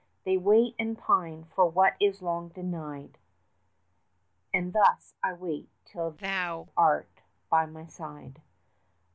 They wait and pine for what is long denied, 95 And thus I wait till thou art by my side.